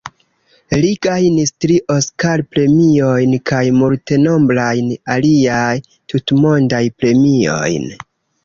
Li gajnis tri Oskar-premiojn kaj multenombrajn aliaj tutmondaj premiojn.